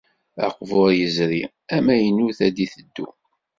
Aqbuṛ yezri amaynut ad d-iteddu.